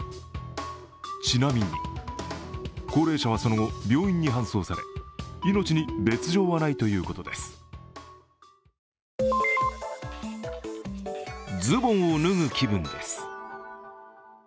ちなみに、高齢者はその後、病院に搬送され命に別状はないということです。